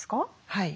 はい。